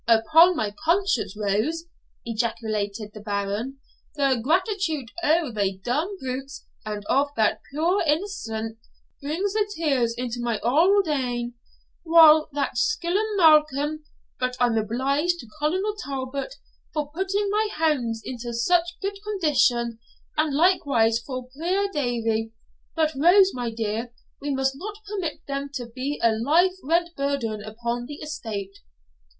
'Upon my conscience, Rose,' ejaculated the Baron, 'the gratitude o' thae dumb brutes and of that puir innocent brings the tears into my auld een, while that schellum Malcolm but I'm obliged to Colonel Talbot for putting my hounds into such good condition, and likewise for puir Davie. But, Rose, my dear, we must not permit them to be a life rent burden upon the estate.'